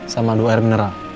sama dua air mineral